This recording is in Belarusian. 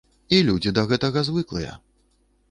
І людзі да гэтага звыклыя.